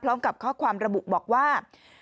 พร้อมกับข้อความระบุบอกว่า